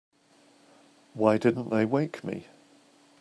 Why didn't they wake me?